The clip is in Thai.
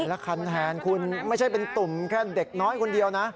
แล้วคันแทนคุณไม่ใช่เป็นตุ่มแค่เด็กน้อยคนเดียวนะ